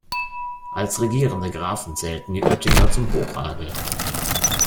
Als regierende Grafen zählten die Oettinger zum Hochadel.